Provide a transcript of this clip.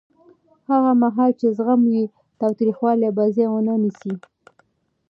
هغه مهال چې زغم وي، تاوتریخوالی به ځای ونه نیسي.